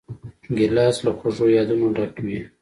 ګیلاس له خوږو یادونو ډک وي.